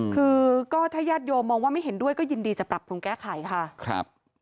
คือก็ถ้าญาติโยมมองว่าไม่เห็นด้วยก็ยินดีจะปรับปรุงแก้ไขค่ะครับ